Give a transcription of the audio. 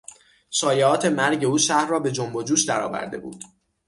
شایعات مرگ او شهر را به جنب و جوش درآورده بود.